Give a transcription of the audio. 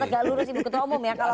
tetap tetap lurus ibu ketua umum ya